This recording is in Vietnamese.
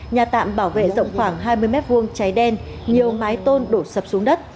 nhà tạm bảo vệ rộng khoảng hai mươi mét vuông cháy đen nhiều mái tôn đổ sập xuống đất